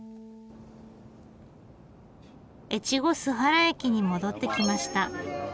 越後須原駅に戻って来ました。